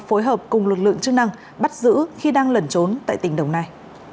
phối hợp cùng lực lượng chức năng bắt giữ khi đang lẩn trốn tại tỉnh đồng nai